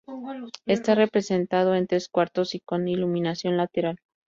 Está representado en tres cuartos y con iluminación lateral.